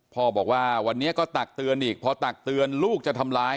บอกว่าวันนี้ก็ตักเตือนอีกพอตักเตือนลูกจะทำร้าย